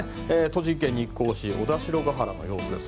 栃木県日光市小田代原の様子です。